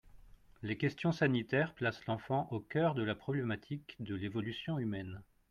Les questions sanitaires placent l’enfant au cœur de la problématique de l’évolution humaine.